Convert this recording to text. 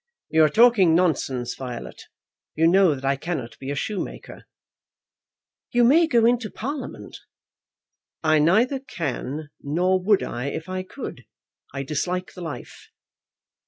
"You are talking nonsense, Violet. You know that I cannot be a shoemaker." "You may go into Parliament." "I neither can, nor would I if I could. I dislike the life."